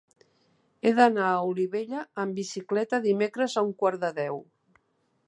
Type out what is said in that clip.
He d'anar a Olivella amb bicicleta dimecres a un quart de deu.